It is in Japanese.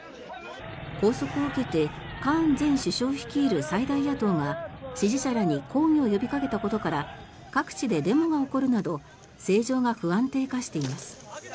拘束を受けてカーン前首相率いる最大野党が支持者らに抗議を呼びかけたことから各地でデモが起こるなど政情が不安定化しています。